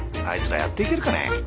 あいつらやっていけるかねえ。